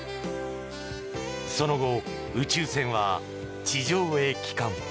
その後、宇宙船は地上へ帰還。